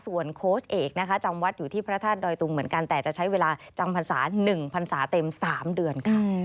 ส่วนโค้ชเอกนะคะจำวัดอยู่ที่พระธาตุดอยตุงเหมือนกันแต่จะใช้เวลาจำพรรษา๑พันศาเต็ม๓เดือนค่ะ